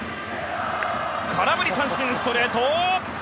空振り三振、ストレート！